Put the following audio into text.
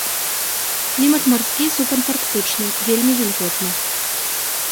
Клімат марскі субантарктычны, вельмі вільготны.